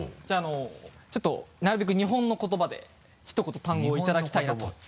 じゃあちょっとなるべく日本の言葉でひと言単語をいただきたいなと。